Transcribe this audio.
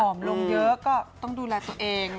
มลงเยอะก็ต้องดูแลตัวเอง